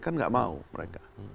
kan nggak mau mereka